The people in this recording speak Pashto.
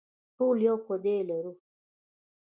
ټول یو خدای لري